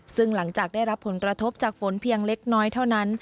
ซึ่งหลังจากได้รับผลกระทบจากฝนเพียงเล็กน้อยเท่านั้น